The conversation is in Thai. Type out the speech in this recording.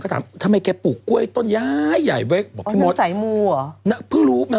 ก็ถามทำไมแกปลูกกล้วยต้นย้ายยายไว้